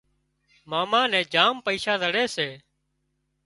ماما نين جام پئيشا زڙي سي